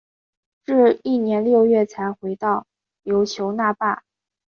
至翌年六月才回到琉球那霸。